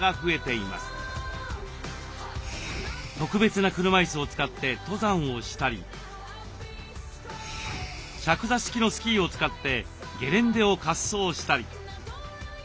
特別な車いすを使って登山をしたり着座式のスキーを使ってゲレンデを滑走したり。